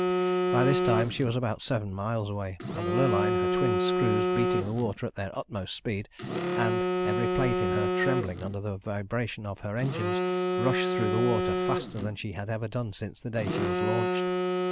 By this time she was about seven miles away, and the Lurline, her twin screws beating the water at their utmost speed, and every plate in her trembling under the vibration of her engines, rushed through the water faster than she had ever done since the day she was launched.